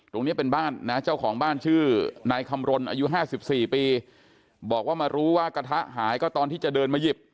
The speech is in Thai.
ตรงนี้เป็นบ้านนะเจ้าของบ้านชื่อนายคำรณอายุ๕๔ปีบอกว่ามารู้ว่ากระทะหายก็ตอนที่จะเดินมาหยิบ